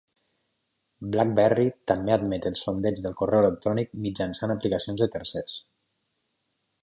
BlackBerry també admet el sondeig del correu electrònic mitjançant aplicacions de tercers.